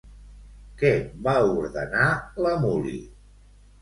Què va ordenar l'Amuli?